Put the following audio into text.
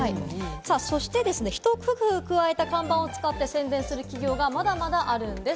そして、ひと工夫を加えた看板を使って宣伝する企業がまだまだあるんです。